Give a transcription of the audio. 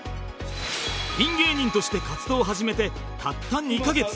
ピン芸人として活動を始めてたった２カ月